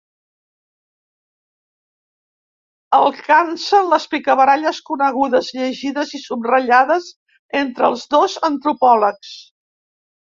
El cansen les picabaralles conegudes, llegides i subratllades entre els dos antropòlegs.